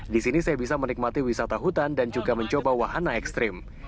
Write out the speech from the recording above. di sini saya bisa menikmati wisata hutan dan juga mencoba wahana ekstrim